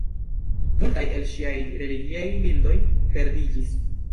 Multaj el ŝiaj religiaj bildoj perdiĝis.